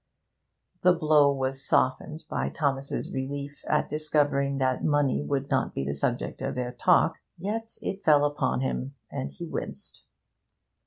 The blow was softened by Thomas's relief at discovering that money would not be the subject of their talk, yet it fell upon him, and he winced.